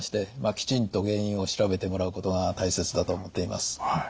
きちんと原因を調べてもらうことが大切だと思っています。